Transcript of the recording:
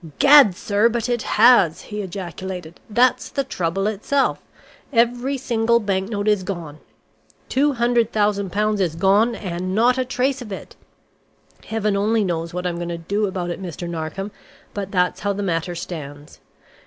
"Gad, sir, but it has!" he ejaculated. "That's the trouble itself. Every single banknote is gone. £200,000 is gone and not a trace of it! Heaven only knows what I'm going to do about it, Mr. Narkom, but that's how the matter stands.